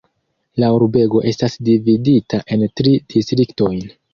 La urbego estas dividita en tri distriktojn.